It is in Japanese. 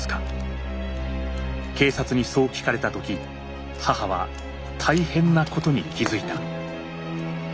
警察にそう聞かれた時母は大変なことに気づいた。